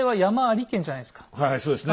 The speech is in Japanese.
はいはいそうですね。